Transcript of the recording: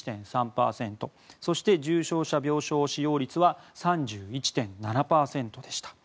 そして重症者病床使用率は３１．７％でした。